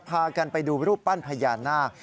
พากันไปดูรูปปั้นพญานาค